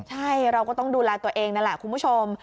ใช่เราก็ต้องดูแลตัวเองนั่นแหละคุณผู้ชม